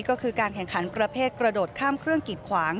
ก็คือการแข่งขันประเภทกระโดดข้ามเครื่องกิดขวาง